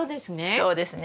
そうですね。